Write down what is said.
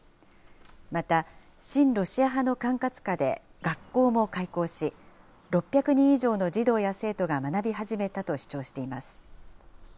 また、親ロシア派の管轄下で学校も開校し、６００人以上の児童や生徒が学び始めたと主張しています。